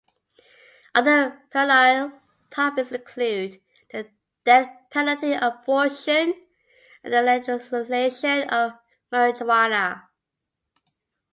Other perennial topics include the death penalty, abortion, and the legalization of marijuana.